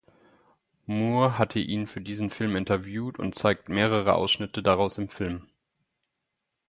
Moore hatte ihn für diesen Film interviewt und zeigt mehrere Ausschnitte daraus im Film.